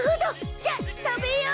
じゃあ食べよう！